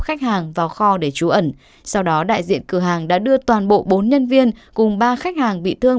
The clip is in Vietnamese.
khách hàng vào kho để trú ẩn sau đó đại diện cửa hàng đã đưa toàn bộ bốn nhân viên cùng ba khách hàng bị thương